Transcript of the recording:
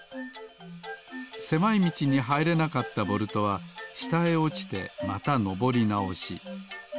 せまいみちにはいれなかったボルトはしたへおちてまたのぼりなおし。